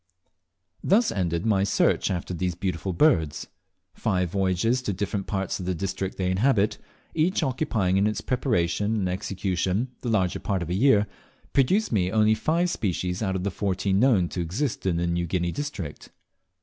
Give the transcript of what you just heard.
Thus ended my search after these beautiful birds. Five voyages to different parts of the district they inhabit, each occupying in its preparation and execution the larger part of a year, produced me only five species out of the fourteen known to exist in the New Guinea district.